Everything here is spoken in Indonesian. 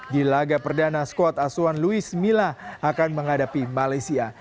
di laga perdana skuad asuhan luis mila akan menghadapi malaysia